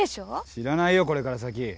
知らないよこれから先。